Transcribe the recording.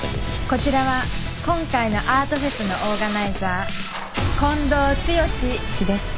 こちらは今回のアートフェスのオーガナイザー近藤剛氏です。